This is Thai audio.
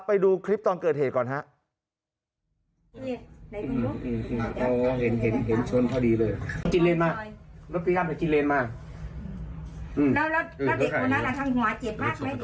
ไปดูคลิปตอนเกิดเหตุก่อนครับ